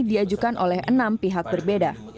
diajukan oleh enam pihak berbeda